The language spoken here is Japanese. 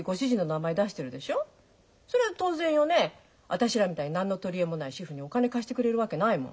私らみたいに何の取り柄もない主婦にお金貸してくれるわけないもん。